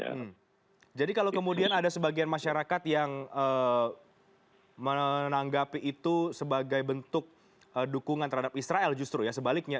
hmm jadi kalau kemudian ada sebagian masyarakat yang menanggapi itu sebagai bentuk dukungan terhadap israel justru ya sebaliknya